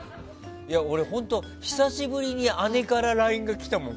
俺、本当、久しぶりに姉からＬＩＮＥが来たもん。